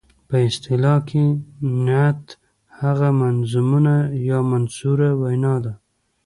په اصطلاح کې نعت هغه منظومه یا منثوره وینا ده.